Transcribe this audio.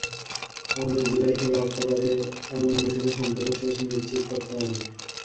আমাদের জুলাই থেকে অক্টোবরে আমন মৌসুমে সম্পূরক সেচ নিশ্চিত করতে হবে।